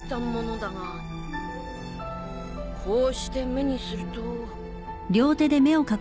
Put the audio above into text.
こうして目にすると。